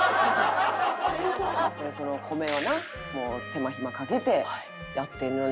その米はなもう手間ひまかけてやってるのにと。